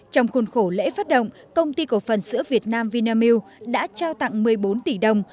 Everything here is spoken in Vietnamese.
trong khuôn khổ lễ phát động công ty cổ phần sữa việt nam vinamilk đã trao tặng một mươi bốn tỷ đồng